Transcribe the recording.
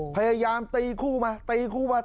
พยายามตีคู่มาตีคู่มา